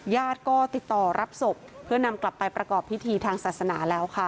ญาติก็ติดต่อรับศพเพื่อนำกลับไปประกอบพิธีทางศาสนาแล้วค่ะ